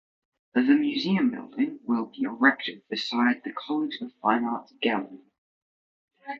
The museum building will be erected beside the College of Fine Arts Gallery.